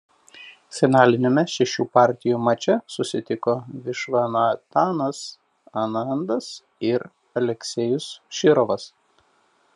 Finaliniame šešių partijų mače susitiko Višvanatanas Anandas ir Aleksejus Širovas.